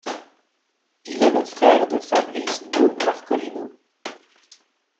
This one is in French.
Il est le frère de Fabrice Do Marcolino.